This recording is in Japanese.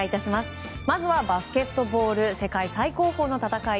まずはバスケットボール世界最高峰の戦い